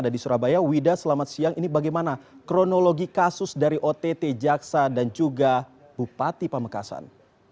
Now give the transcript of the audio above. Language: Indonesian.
di mana kronologi kasus dari ott jaksa dan juga bupati pamekasan